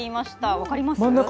分かります？